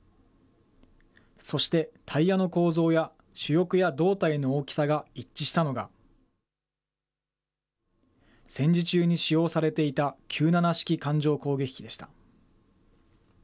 そして、タイヤの構造や主翼や胴体の大きさが一致したのが、戦時中に使用されていた九七式艦上攻撃機でした。